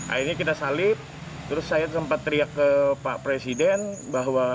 akhirnya kita salib terus saya sempat teriak ke pak presiden bahwa